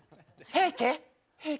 平家？